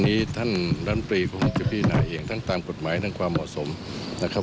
นี้ท่านรัฐตรีคงจะพินาเองทั้งตามกฎหมายทั้งความเหมาะสมนะครับ